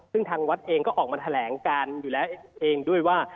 ซึ่งทางวัดเองก็ออกมาแถลงการอยู่แล้วเองด้วยว่า